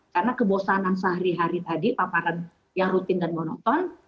karena kebosanan sehari hari tadi paparan yang rutin dan monoton